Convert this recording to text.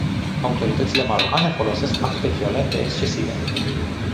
Autoritățile marocane folosesc acte violente excesive.